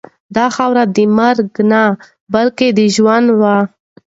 دا خاوره د مرګ نه بلکې د ژوند وه.